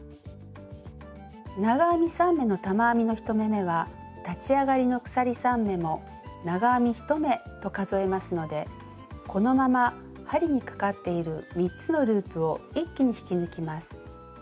長編み３目の玉編みの１目めは立ち上がりの鎖３目も長編み１目と数えますのでこのまま針にかかっている３つのループを一気に引き抜きます。